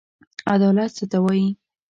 عدالت څه ته وايي.